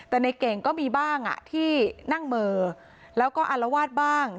แต่ในเก่งก็มีบ้างที่นั่งเมอแล้วก็อารวาสบ้าง